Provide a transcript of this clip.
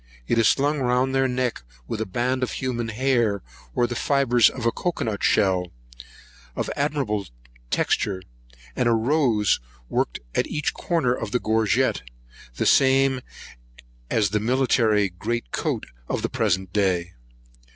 It is slung round their neck with a band of human hair, or the fibres of cocoa nut shell, of admirable texture, and a rose worked at each corner of the gorget, the same as the military jemmy of the present day.